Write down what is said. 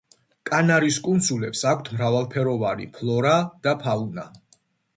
კანარის კუნძულებს აქვ მრავალფეროვანი ფლორა და ფაუნა.